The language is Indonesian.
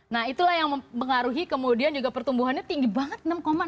nah itulah yang mempengaruhi kemudian juga pertumbuhannya tinggi banget